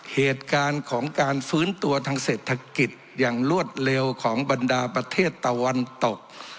เหตุการณ์ของการฟื้นตัวทางเศรษฐกิจอย่างรวดเร็วของบรรดาประเทศตะวันตก